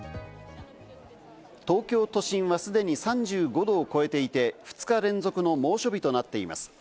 東京都心は既に３５度を超えていて、２日連続の猛暑日となっています。